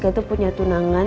aku punya olursan